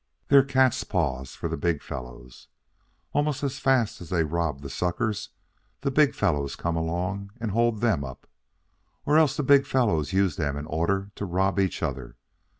"They're catspaws for the big fellows. Almost as fast as they rob the suckers, the big fellows come along and hold them up. Or else the big fellows use them in order to rob each other.